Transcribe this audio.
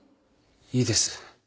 いいです。